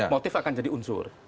motif akan jadi unsur